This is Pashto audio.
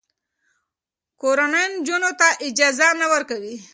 کورنۍ نجونو ته اجازه نه ورکوي.